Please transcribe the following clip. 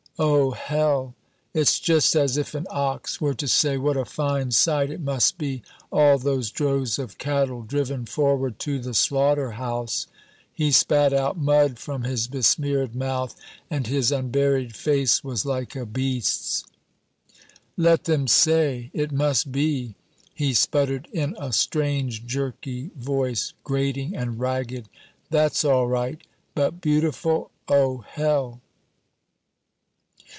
Oh, hell! It's just as if an ox were to say, 'What a fine sight it must be, all those droves of cattle driven forward to the slaughter house!'" He spat out mud from his besmeared mouth, and his unburied face was like a beast's. "Let them say, 'It must be,'" he sputtered in a strange jerky voice, grating and ragged; "that's all right. But beautiful! Oh, hell!"